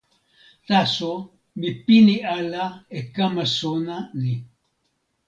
taso mi pini ala e kama sona ni.